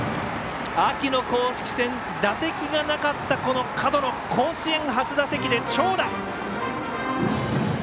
秋の公式戦、打席がなかったこの門野、甲子園初打席で長打。